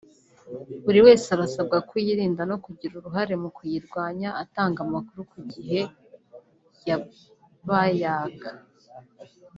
Buri wese arasabwa kuyirinda no kugira uruhare mu kuyirwanya atanga amakuru ku gihe y’abayaka